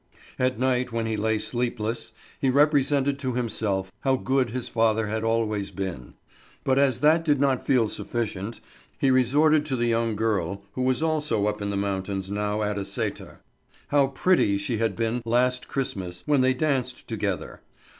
At night, when he lay sleepless, he represented to himself how good his father had always been; but as that did not feel sufficient, he resorted to the young girl who was also up in the mountains now at a sæter. How pretty she had been last Christmas when they danced together!